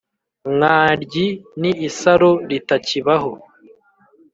mwaryi : ni isaro ritakibaho.